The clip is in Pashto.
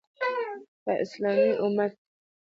په اسلامي امت کې